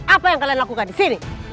apa yang kalian lakukan disini